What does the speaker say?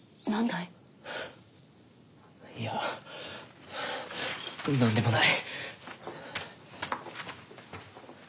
いや何でもない。